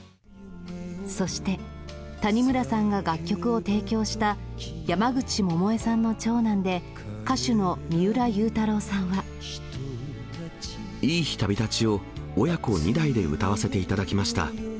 そして、谷村さんが楽曲を提供した、山口百恵さんの長男で、いい日旅立ちを親子２代で歌わせていただきました。